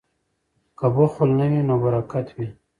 که بخل نه وي نو برکت وي.